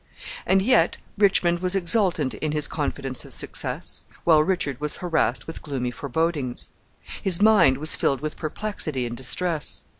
And yet Richmond was exultant in his confidence of success, while Richard was harassed with gloomy forebodings. His mind was filled with perplexity and distress.